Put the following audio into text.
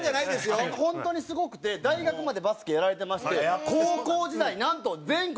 本当にすごくて大学までバスケやられてまして高校時代なんと全国